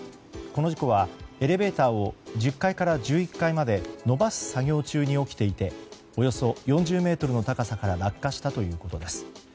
この事故はエレベーターを１０階から１１階まで伸ばす作業中に起きていておよそ４０ｍの高さから落下したということです。